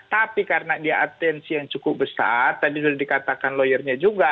tapi karena dia atensi yang cukup besar tadi sudah dikatakan lawyernya juga